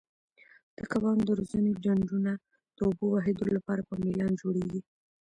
د کبانو د روزنې ډنډونه د اوبو بهېدو لپاره په میلان جوړیږي.